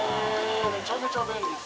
めちゃめちゃ便利。